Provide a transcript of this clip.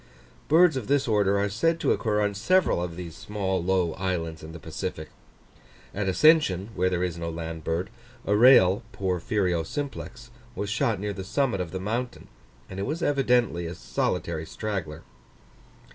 Birds of this order are said to occur on several of the small low islands in the Pacific. At Ascension, where there is no land bird, a rail (Porphyrio simplex) was shot near the summit of the mountain, and it was evidently a solitary straggler.